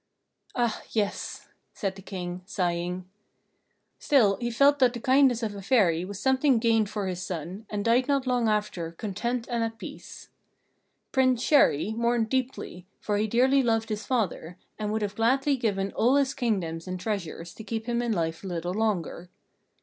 "Ah, yes!" said the King, sighing. Still, he felt that the kindness of a Fairy was something gained for his son, and died not long after, content and at peace. Prince Chéri mourned deeply, for he dearly loved his father, and would have gladly given all his kingdoms and treasures to keep him in life a little longer.